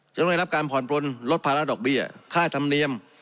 จะต้องได้รับการผ่อนปลนลดภาระดอกเบี้ยค่าธรรมเนียม